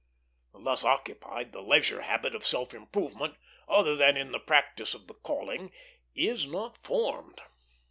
Thus occupied, the leisure habit of self improvement, other than in the practice of the calling, is not formed.